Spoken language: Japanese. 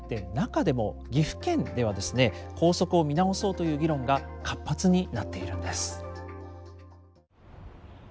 中でも岐阜県ではですね校則を見直そうという議論が活発になっているんです。